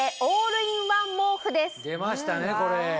出ましたねこれ。